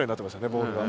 ボールが。